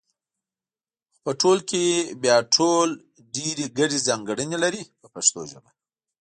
خو په ټول کې بیا ټول ډېرې ګډې ځانګړنې لري په پښتو ژبه.